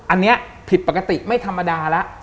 อันนี้ผิดปกติไม่ธรรมดาแล้ว